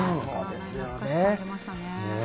懐かしく感じましたね。